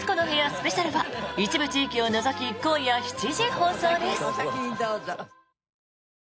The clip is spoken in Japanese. スペシャルは一部地域を除き今夜７時放送です。